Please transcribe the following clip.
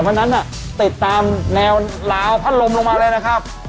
เพราะฉะนั้นติดตามแนวลาวพัดลมลงมาแล้วนะครับ